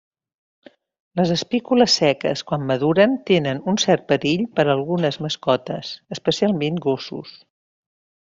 Les espícules seques quan maduren tenen un cert perill per a algunes mascotes, especialment gossos.